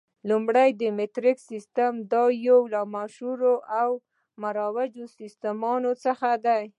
لومړی میټریک سیسټم، دا یو له مشهورو او مروجو سیسټمونو څخه دی.